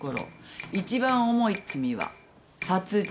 一番重い罪は殺人。